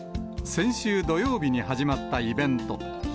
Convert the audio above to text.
先週土曜日に始まったイベント。